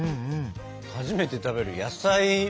初めて食べる野菜。